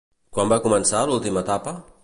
Quan va començar l'última etapa?